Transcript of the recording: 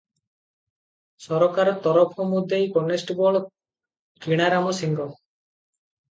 ସରକାର ତରଫ ମୁଦେଇ କନେଷ୍ଟବଳ କିଣାରାମ ସିଂ ।